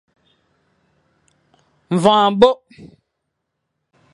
Mvoñ abokh.